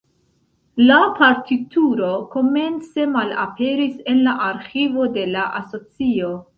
La partituro komence malaperis en la arĥivo de la asocio.